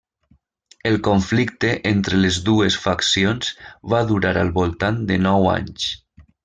El conflicte entre les dues faccions va durar al voltant de nou anys.